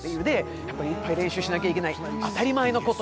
いっぱい練習しなきゃいけない、当たり前のこと。